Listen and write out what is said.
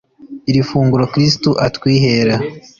iri funguro kristu utwihera